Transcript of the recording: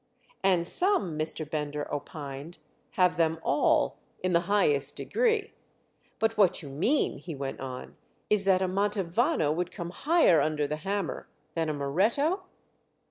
"And some," Mr. Bender opined, "have them all—in the highest degree. But what you mean," he went on, "is that a Mantovano would come higher under the hammer than a Moretto?"